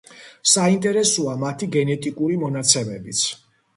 საინტერესოა მათი გენეტიკური მონაცემებიც.